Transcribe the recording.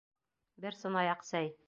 Бер сынаяҡ сәй!